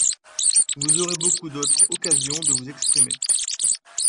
Vous aurez beaucoup d’autres occasions de vous exprimer.